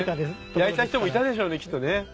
焼いた人もいたでしょうねきっとね。